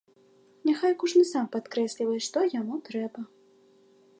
Няхай кожны сам падкрэслівае, што яму трэба.